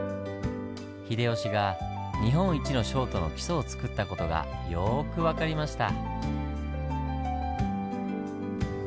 秀吉が日本一の商都の基礎をつくった事がよく分かりました。